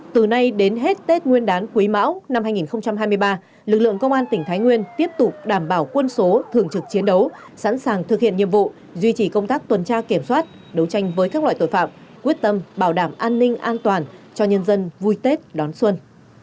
từ nay đến hết tết nguyên đán quý mão năm hai nghìn hai mươi ba lực lượng công an tỉnh thái nguyên tiếp tục đảm bảo quân số thường trực chiến đấu sẵn sàng thực hiện nhiệm vụ duy trì công tác tuần tra kiểm soát đấu tranh với các loại tội phạm quyết tâm bảo đảm an ninh an toàn cho nhân dân vui tết đón xuân